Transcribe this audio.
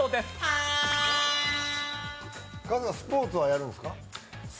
春日、スポーツはやるんですか？